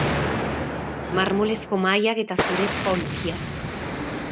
Marmolezko mahaiak eta zurezko aulkiak.